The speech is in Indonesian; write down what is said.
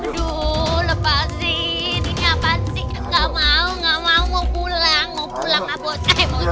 aduh lepasin ini apaan sih ga mau ga mau mau pulang mau pulang ah bos